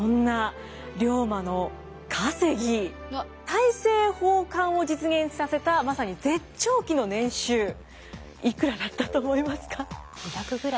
大政奉還を実現させたまさに絶頂期の年収いくらだったと思いますか？